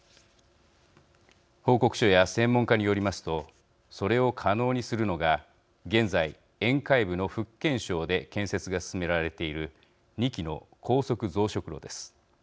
報告書や専門家によりますとそれを可能にするのが現在、沿海部の福建省で建設が進められている２基の高速増殖炉です。